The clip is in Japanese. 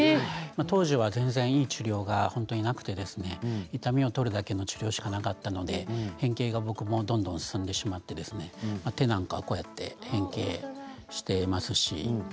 当時は全然いい治療がなくて痛みを取るだけの治療しかなかったので僕も変形がどんどん進んでしまって手は変形しています。